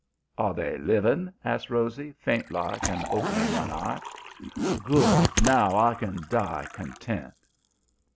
"'Are they living?' asks Rosy, faint like and opening one eye. 'Good! Now I can die content.'